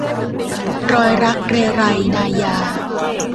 รอยรักเรไร - นายา